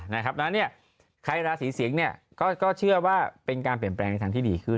ดังนั้นใครราศีสิงศ์ก็เชื่อว่าเป็นการเปลี่ยนแปลงในทางที่ดีขึ้น